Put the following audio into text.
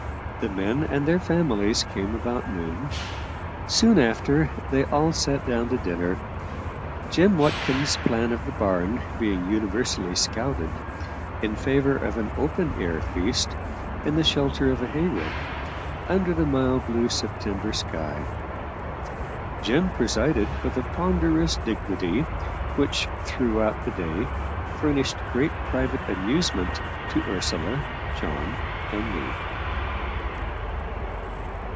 The men and their families came about noon. Soon after, they all sat down to dinner; Jem Watkins' plan of the barn being universally scouted in favour of an open air feast, in the shelter of a hay rick, under the mild blue September sky. Jem presided with a ponderous dignity which throughout the day furnished great private amusement to Ursula, John, and me.